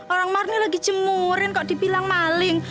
orang marni lagi jemurin kok dibilang maling